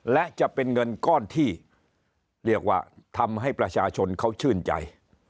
และจะเป็นเงินก้อนที่เรียกว่าทำให้ประชาชนเขาชื่นใจ